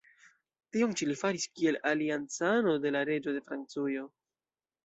Tion ĉi li faris kiel aliancano de la reĝo de Francujo.